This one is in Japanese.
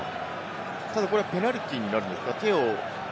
これはペナルティーになるんですか？